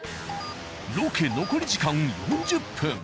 ロケ残り時間４０分。